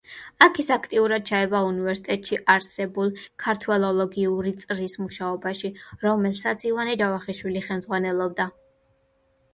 აქ ის აქტიურად ჩაება უნივერსიტეტში არსებულ ქართველოლოგიური წრის მუშაობაში, რომელსაც ივანე ჯავახიშვილი ხელმძღვანელობდა.